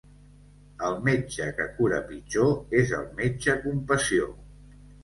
El metge que cura pitjor és el metge compassió.